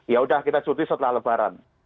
ya udah kita cuti setelah lebaran